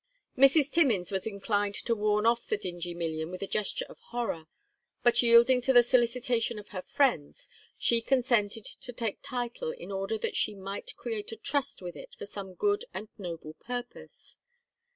Mrs. Timmins was inclined to warn off the Dingee million with a gesture of horror; but, yielding to the solicitation of her friends, she consented to take title in order that she might create a trust with it for some good and noble purpose.